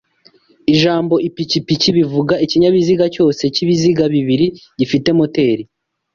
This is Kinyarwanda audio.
Ijambo ipikipiki bivuga ikinyabiziga cyose cy'ibiziga bibiri gifite moteri